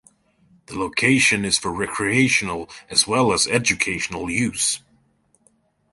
The location is for recreational as well as educational use.